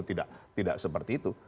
tidak seperti itu